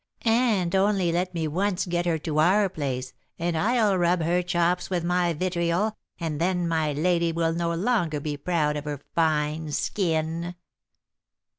And only let me once get her to our place, and I'll rub her chops with my vitriol, and then my lady will no longer be proud of her fine skin."